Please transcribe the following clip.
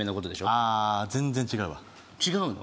ああー全然違うわ違うの？